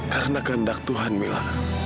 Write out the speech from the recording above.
karena kehendak tuhan mila